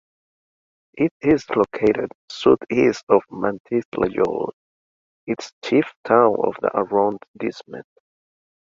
It is located southeast of Mantes-la-Jolie, its chief town of the arrondissement.